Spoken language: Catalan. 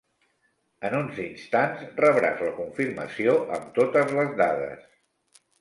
En uns instants rebràs la confirmació amb totes les dades.